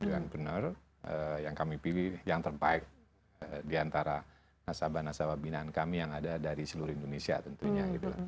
yang benar yang kami pilih yang terbaik diantara nasabah nasabah binaan kami yang ada dari seluruh indonesia tentunya